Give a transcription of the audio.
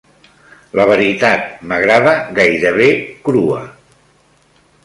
La veritat m'agrada gairebé crua.